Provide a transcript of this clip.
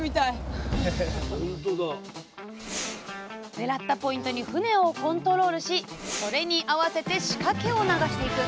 狙ったポイントに船をコントロールしそれに合わせて仕掛けを流していく。